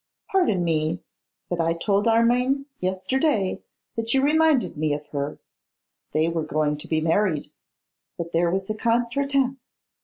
Pardon me, but I told Armine yesterday that you reminded me of her. They were going to be married; but there was a contretemps.